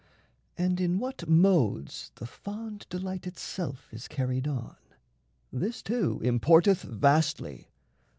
And in what modes the fond delight itself Is carried on this too importeth vastly.